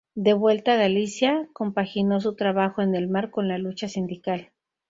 De vuelta a Galicia, compaginó su trabajo en el mar con la lucha sindical.